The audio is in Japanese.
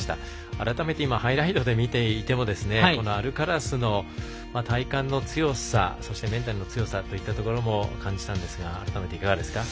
改めてハイライトで見ていてもアルカラスの体幹の強さそして、メンタルの強さといったところも感じたんですがいかがですか？